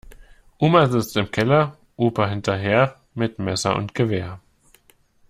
Oma sitzt im Keller, Opa hinterher, mit Messer und Gewehr.